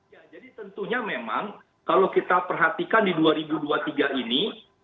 ya jadi tentunya memang kalau kita perhatikan di dua ribu dua puluh tiga ini